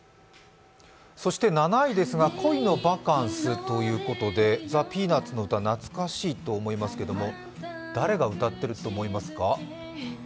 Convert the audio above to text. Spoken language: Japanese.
そして７位ですが、「恋のバカンス」ということでザ・ピーナッツの歌、懐かしいと思いますが、誰が歌っていると思いますか？